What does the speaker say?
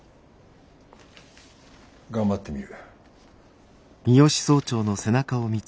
頑張ってみる。